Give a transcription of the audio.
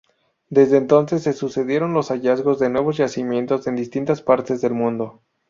Desde entonces se sucedieron los hallazgos de nuevos yacimientos en distintas partes del mundo.